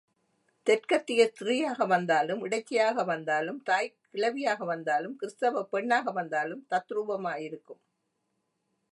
தெற்கத்திய ஸ்திரீயாக வந்தாலும், இடைச்சியாக வந்தாலும் தாய்க்கிழ வியாக வந்தாலும், கிறிஸ்தவப் பெண்ணாக வந்தாலும் தத்ரூபமாயிருக்கும்.